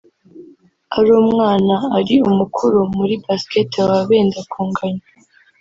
ari umwana ari umukuru muri basket baba benda kunganya